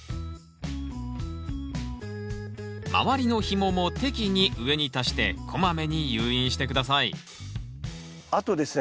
周りのひもも適宜上に足してこまめに誘引して下さいあとですね